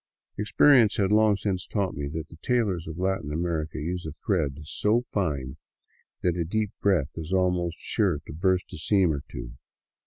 Ex perience had long since taught me that the tailors of Latin America use a thread so fine that a deep breath is almost sure to burst a seam or two.